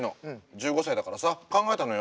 １５歳だからさ考えたのよ。